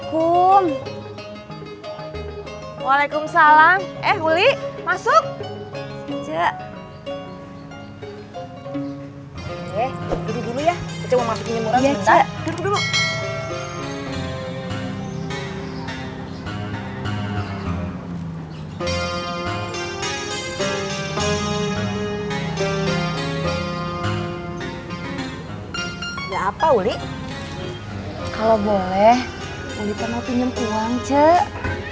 kalo boleh wuli mau pinjem uang cek